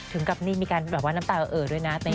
ถึงกับนี่มีการแบบว่าน้ำตาเอ่อด้วยนะ